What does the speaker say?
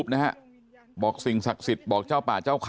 แล้วก็ยัดลงถังสีฟ้าขนาด๒๐๐ลิตร